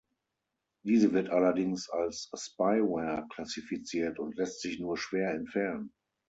Diese wird allerdings als Spyware klassifiziert und lässt sich nur schwer entfernen.